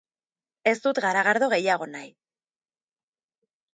Ez dut garagardo gehiago nahi.